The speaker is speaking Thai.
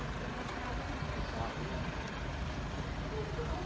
สวัสดีทุกคนสวัสดีทุกคน